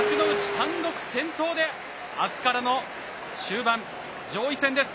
単独先頭であすからの終盤、上位戦です。